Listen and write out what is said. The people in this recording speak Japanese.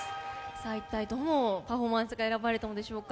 一体どのパフォーマンスが選ばれたんでしょうか。